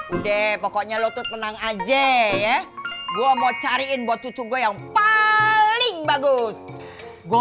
udah pokoknya lo tuh tenang aja ya gua mau cariin buat cucu gue yang paling bagus gua